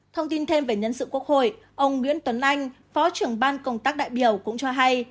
thông tin thêm về nhân sự quốc hội ông nguyễn tuấn anh phó trưởng ban công tác đại biểu cũng cho hay